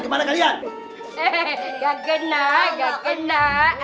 hehehe gak kena gak kena